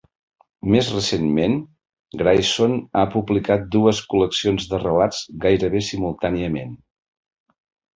Més recentment, Grayson ha publicat dues col·leccions de relats gairebé simultàniament.